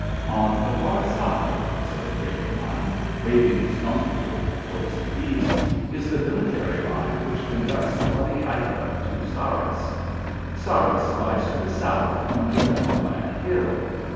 "On the far side," said the dragoman, waving his donkey whip towards the east, "is the military line which conducts Wady Haifa to Sarras. Sarras lies to the south, under that black hill.